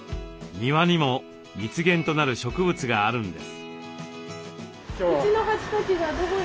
庭にも蜜源となる植物があるんです。